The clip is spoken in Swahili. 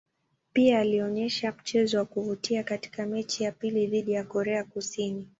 Pia alionyesha mchezo wa kuvutia katika mechi ya pili dhidi ya Korea Kusini.